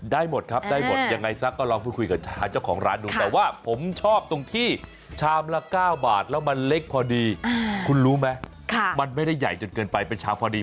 ได้หมดครับยังไงสักแล้วก็ลองคุยกับของร้านทุกคนแต่ว่าคุณชอบชาม๙บาทและมันเล็กพอดีคุณรู้ไหมมันไม่ได้ใหญ่จนเกินไปเป็นชามพอดี